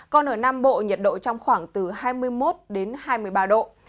còn ở nam bộ nhiệt độ trong khoảng từ hai mươi một đến hai mươi ba độ